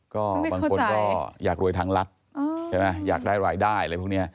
ก็บางคนก็อยากรวยทางรัฐใช่ไหมอยากได้รายได้อะไรพวกนี้